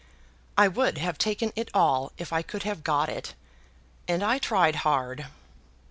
I would have taken it all if I could have got it, and I tried hard."